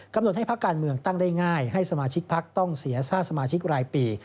ให้พักการเมืองตั้งได้ง่ายให้สมาชิกพักต้องเสียชาติสมาชิกรายปี